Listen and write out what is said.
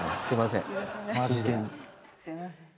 すいません。